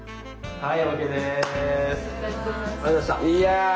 はい。